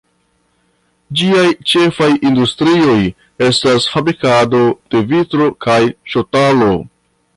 Ĝiaj ĉefaj industrioj estas fabrikado de vitro kaj ŝtalo.